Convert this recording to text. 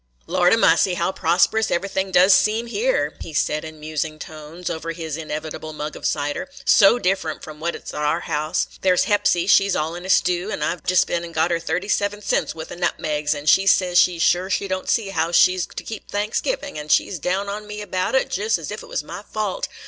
"Lordy massy, how prosperous everything does seem here!" he said, in musing tones, over his inevitable mug of cider; "so different from what 't is t' our house. There 's Hepsy, she 's all in a stew, an' I 've just been an' got her thirty seven cents' wuth o' nutmegs, yet she says she 's sure she don't see how she 's to keep Thanksgiving, an' she 's down on me about it, just as ef 't was my fault.